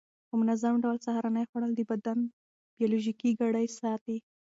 په منظم ډول سهارنۍ خوړل د بدن بیولوژیکي ګړۍ ساتي.